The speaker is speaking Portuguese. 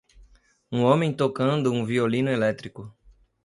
um homem tocando um violino elétrico.